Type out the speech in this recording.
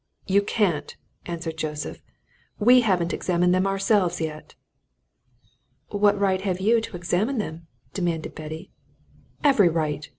"You can't!" answered Joseph. "We haven't examined them ourselves yet." "What right have you to examine them?" demanded Betty. "Every right!"